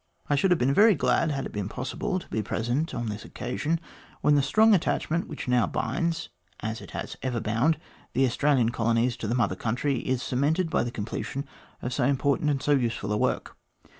I should have been very glad, had it been possible, to be present on this occasion, when the strong attachment which now binds, as it has ever bound, the Australian colonies to the Mother Country, is cemented by the completion of so important and so useful a work.